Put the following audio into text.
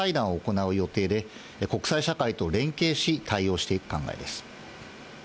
このあと韓国などと首脳会談を行う予定で、国際社会と連携し、対応していく考えです。